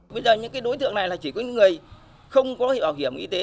bây giờ những đối tượng này là chỉ có những người không có bảo hiểm y tế